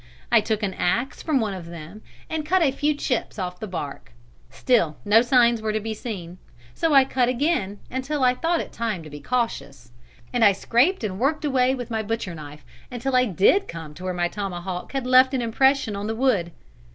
I took an axe from one of them and cut a few chips off the bark. Still no signs were to be seen. So I cut again until I thought it time to be cautious, and I scraped and worked away with my butcher knife until I did come to where my tomahawk had left an impression on the wood.